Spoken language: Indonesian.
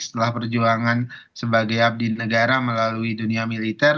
setelah perjuangan sebagai abdi negara melalui dunia militer